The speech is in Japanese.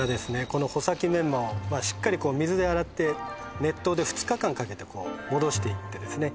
この穂先メンマをしっかりこう水で洗って熱湯で２日間かけて戻していってですね